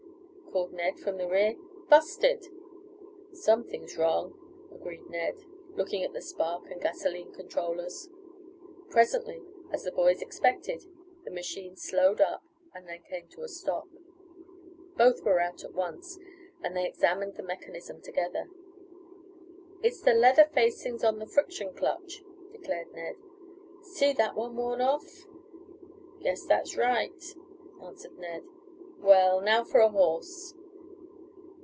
called Ned from the rear. "Busted!" "Something wrong," agreed Ned, looking at the spark and gasoline controllers. Presently, as the boys expected, the machine slowed up, and then came to a stop. Both were out at once, and they examined the mechanism together. "It's the leather facings on the friction clutch," declared Ned. "See that one worn off?" "Guess that's right," answered Ned. "Well, now for a horse."